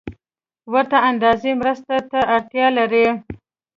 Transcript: ورته اندازې مرستې ته اړتیا لري